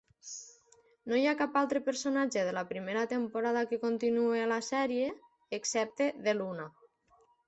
No hi ha cap altre personatge de la primera temporada que continuï a la sèrie, excepte DeLuna.